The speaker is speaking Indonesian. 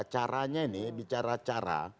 caranya ini bicara cara